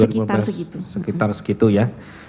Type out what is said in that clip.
sekitar segitu ya